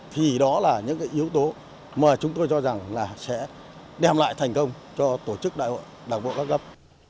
thì đó là những cái yếu tố mà chúng tôi cho rằng là sẽ đem lại thành công cho tổ chức đại hội đảng bộ các cấp